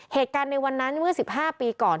เหตุการณ์ในวันนั้นเมื่อ๑๕ปีก่อน